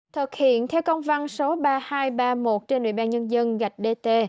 thực hiện theo công văn số ba nghìn hai trăm ba mươi một trên ủy ban nhân dân gạch dt